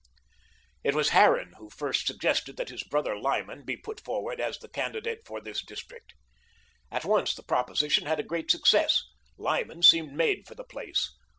It was Harran who first suggested that his brother, Lyman, be put forward as the candidate for this district. At once the proposition had a great success. Lyman seemed made for the place.